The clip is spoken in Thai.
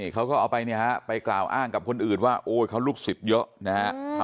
เขาก็เอาไปกล่าวอ้างกับคนอื่นว่าโอ้เขาลูกศิษย์เยอะนะครับ